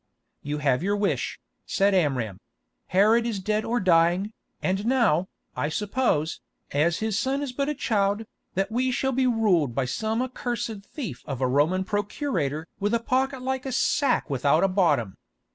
"You have your wish," said Amram; "Herod is dead or dying, and now, I suppose, as his son is but a child, that we shall be ruled by some accursed thief of a Roman procurator with a pocket like a sack without a bottom.